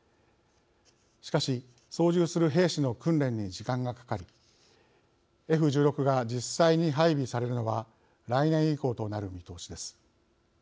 しかし操縦する兵士の訓練に時間がかかりＦ１６が実際に配備されるのは来年以降となる見通しです。